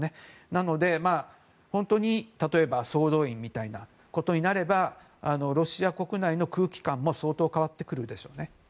なので、本当に総動員みたいなことになればロシア国内の空気感も相当、変わってくるでしょうね。